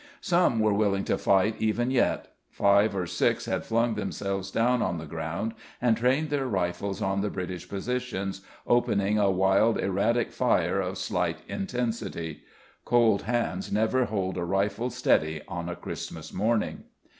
Some were willing to fight even yet; five or six had flung themselves down on the ground and trained their rifles on the British positions, opening a wild erratic fire of slight intensity. Cold hands never hold a rifle steady on a Christmas morning.